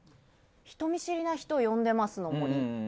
人見知りな人を呼んでますの森。